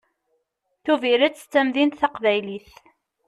Tubiret d tamdint taqbaylit.